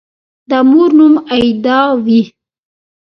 د مور نوم «آیدا» وي